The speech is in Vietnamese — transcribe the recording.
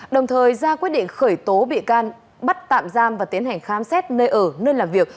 đồng thời ra quyết định khởi tố bị can bắt tạm giam và tiến hành khám xét nơi ở nơi làm việc